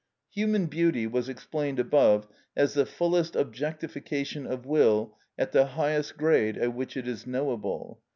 Human beauty was explained above as the fullest objectification of will at the highest grade at which it is knowable.